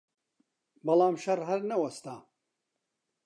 بەڵام شەڕ هەر نەوەستا